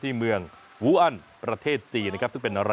ก็อย่าลืมให้กำลังใจเมย์ในรายการต่อไปนะคะ